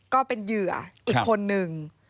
ก็เป็นเหยื่ออีกคนนึง